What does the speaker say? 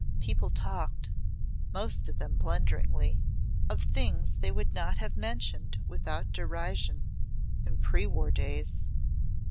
People talked most of them blunderingly of things they would not have mentioned without derision in pre war days.